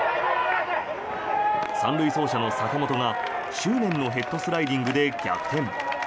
３塁走者の坂本が執念のヘッドスライディングで逆転。